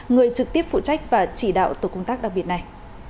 người trực tiếp phụ trách và chỉ đạo tổ công tác đặc biệt này